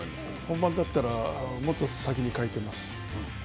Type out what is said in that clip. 本番だったら、もっと先に代えています。